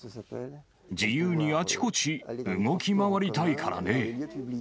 自由にあちこち動き回りたいからね。